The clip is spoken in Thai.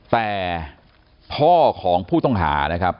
แต่พ่อของผู้ต้องหานะครับ